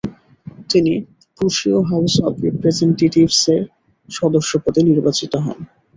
তিনি প্রুশীয় house of রিপ্রেজেন্টেটিভসের সদস্যপদে নির্বাচিত হন।